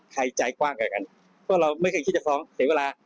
ใจกว้างกว่ากันเพราะเราไม่เคยคิดจะฟ้องเสียเวลา